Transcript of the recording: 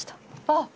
あっ！